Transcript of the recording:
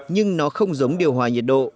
nhưng nó không giống điều hòa nhiệt độ